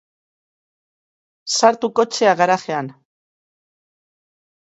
Sartu kotxea garajean.